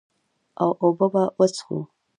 او اوبۀ به وڅښو ـ